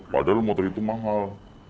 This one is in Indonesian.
padahal motor itu mahal